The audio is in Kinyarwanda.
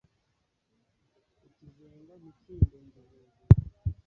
ikizenga ntikindenge hejuru